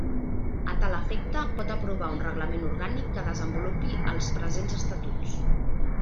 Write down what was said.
A tal efecte, pot aprovar un Reglament Orgànic que desenvolupi els presents Estatuts.